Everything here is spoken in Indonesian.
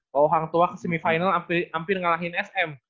kalau hang tua ke semifinal hampir ngalahin sm